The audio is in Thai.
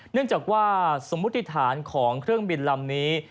เนื่องจากว่าสมมุติฐานของเครื่องบินลำนี้